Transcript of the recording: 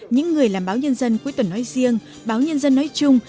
những người làm báo nhân dân cuối tuần nói riêng báo nhân dân nói chung